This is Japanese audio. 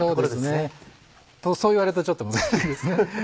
そうですね。とそう言われるとちょっと難しいですね。